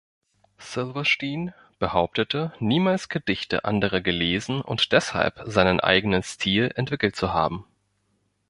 Silverstein behauptete, niemals Gedichte anderer gelesen und deshalb seinen eigenen Stil entwickelt zu haben.